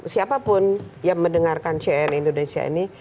siapapun yang mendengarkan cn indonesia ini